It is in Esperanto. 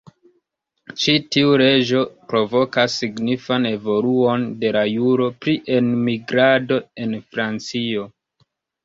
Ĉi tiu leĝo provokas signifan evoluon de la juro pri enmigrado en Francio.